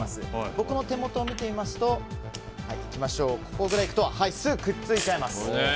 僕の手元を見てみますとここくらいいくとすぐくっついちゃいます。